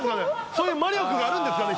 そういう魔力があるんですかね？